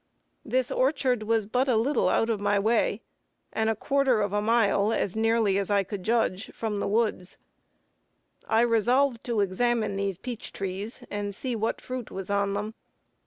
This orchard was but little out of my way, and a quarter of a mile, as nearly as I could judge, from the woods. I resolved to examine these peach trees, and see what fruit was on them.